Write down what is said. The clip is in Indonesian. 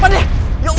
pak deh pak ustadz